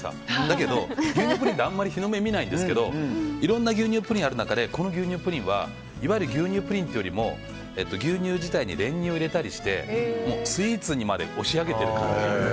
だけど、牛乳プリンって日の目を見ないんですけどいろんな牛乳プリンがある中でこの牛乳プリンはいわゆる牛乳プリンというよりも牛乳自体に練乳を入れたりしてスイーツにまで押し上げている感じ。